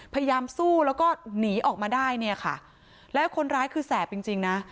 พยายามสู้แล้วก็หนีออกมาได้เนี่ยค่ะแล้วคนร้ายคือแสบจริงจริงนะ